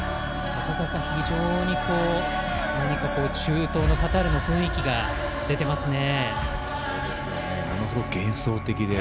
中澤さん、非常に中東のカタールの雰囲気が出てますね。